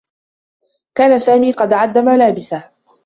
كان سامي قد أعدّ ملابسه.